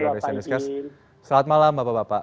pak pak ipin selamat malam bapak bapak